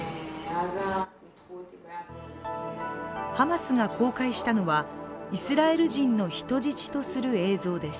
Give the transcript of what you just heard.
ハマスが公開したのはイスラエル人の人質とする映像です。